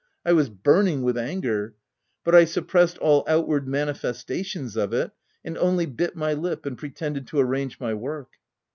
I was burning with anger ; but I suppressed all out ward manifestations of it, and only bit my lip and pretended to arrange my work.